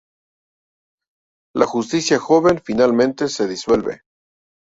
La justicia joven finalmente se disuelve.